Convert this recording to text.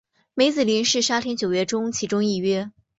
梅子林是沙田九约中其中一约。